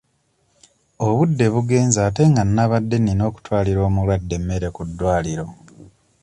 Obudde bugenze ate nga nabadde nina okutwalira omulwadde emmere ku ddwaliro.